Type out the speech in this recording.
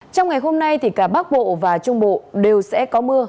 trong ngày hôm nay cả bắc bộ và trung bộ đều sẽ có mưa